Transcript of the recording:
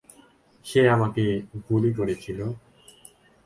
সে আমাকে গুলি করেছিল।